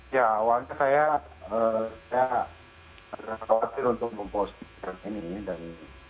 ya waktunya saya tidak khawatir untuk mempostingkan ini